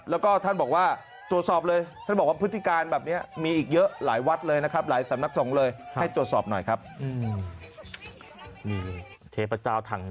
แล้วก็ตามบอกว่าตรวจสอบเลย